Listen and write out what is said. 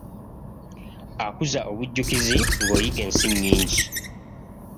Akuza obujjukizi ng'oyiga ensi nnyingi.